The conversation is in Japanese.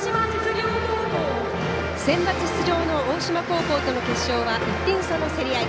センバツ出場の大島高校との決勝は１点差の競り合い。